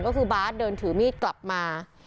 ก็คือบาทเดินถือมีดกลับมา